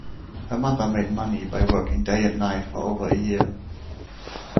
Her mother made money by working day and night for over a year